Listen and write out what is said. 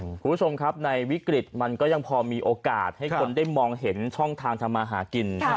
คุณผู้ชมครับในวิกฤตมันก็ยังพอมีโอกาสให้คนได้มองเห็นช่องทางทำมาหากิน